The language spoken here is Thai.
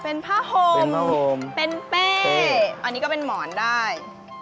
เป็นผ้าห่มเป็นเป้อันนี้ก็เป็นหมอนได้